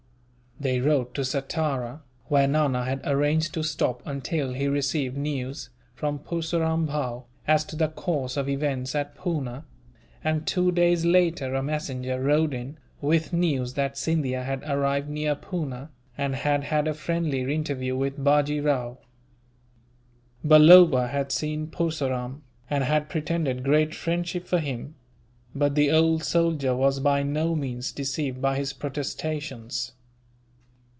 They rode to Satara, where Nana had arranged to stop until he received news, from Purseram Bhow, as to the course of events at Poona; and two days later a messenger rode in, with news that Scindia had arrived near Poona, and had had a friendly interview with Bajee Rao. Balloba had seen Purseram, and had pretended great friendship for him; but the old soldier was by no means deceived by his protestations.